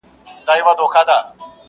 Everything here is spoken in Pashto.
پيشو پوه سول چي موږك جنگ ته تيار دئ.!